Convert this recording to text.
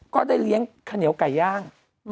ก็ได้เลี้ยงข้าวเหนียวไก่ย่าง